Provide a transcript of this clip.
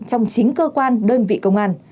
trong chính cơ quan đơn vị công an